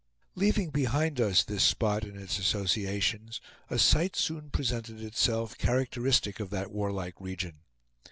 Leaving behind us this spot and its associations, a sight soon presented itself, characteristic of that warlike region.